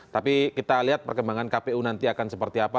tapi kita lihat perkembangan kpu nanti akan seperti apa